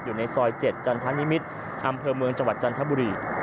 อยู่ในซอย๗จันทนิมิตรอำเภอเมืองจังหวัดจันทบุรี